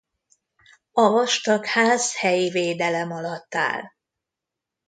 A Vastag-ház helyi védelem alatt áll.